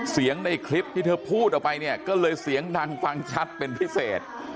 ในคลิปที่เธอพูดออกไปเนี่ยก็เลยเสียงดังฟังชัดเป็นพิเศษ